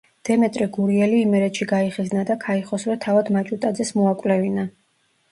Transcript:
დემეტრე გურიელი იმერეთში გაიხიზნა და ქაიხოსრო თავად მაჭუტაძეს მოაკვლევინა.